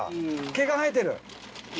毛が生えてる。